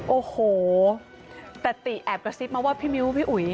โอ้โหแต่ติแอบกระซิบมาว่าพี่มิ้วพี่อุ๋ย